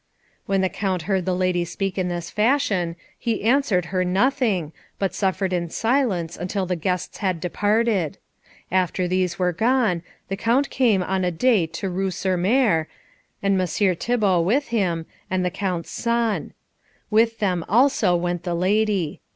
When the Count heard the lady speak in this fashion, he answered her nothing, but suffered in silence until the guests had departed. After these were gone, the Count came on a day to Rue sur Mer, and Messire Thibault with him, and the Count's son. With them also went the lady.